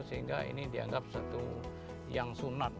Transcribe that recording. sehingga ini dianggap satu yang sunat